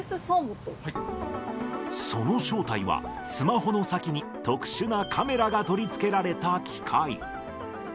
その正体は、スマホの先に特殊なカメラが取り付けられた機械。